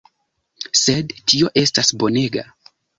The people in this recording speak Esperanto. Sed tio estas bonega!